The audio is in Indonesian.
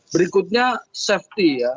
berikutnya safety ya